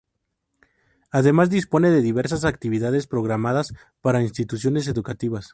Además dispone de diversas actividades programadas para instituciones educativas.